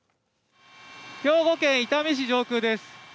兵庫県伊丹市上空です。